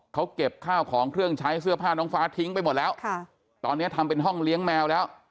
เขาเก็บข้าวของเครื่องใช้เสื้อผ้าน้องฟ้าทิ้งไปหมดแล้วค่ะตอนนี้ทำเป็นห้องเลี้ยงแมวแล้ว